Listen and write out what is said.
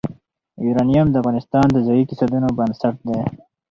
یورانیم د افغانستان د ځایي اقتصادونو بنسټ دی.